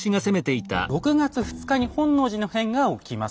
６月２日に本能寺の変が起きます。